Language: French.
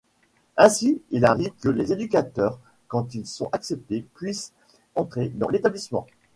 Ainsi il arrive que les éducateurs, quand ils sont acceptés, puissent entrer dans l'établissement.